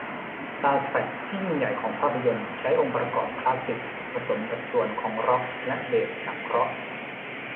ซาวด์แทร็กที่ยิ่งใหญ่ของภาพยนตร์ใช้องค์ประกอบคลาสสิคผสมกับส่วนของร็อคและเบสสังเคราะห์